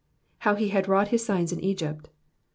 ''How he had wrought his sigvs in Egypt.''''